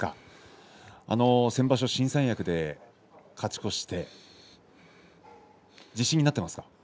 先場所、新三役で勝ち越して自信になっていますか？